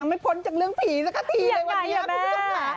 ไม่พ้นจากเรื่องผีสักทีเลยวันนี้คุณผู้ชมค่ะ